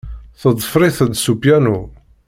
Teḍfer-it-d s upyanu.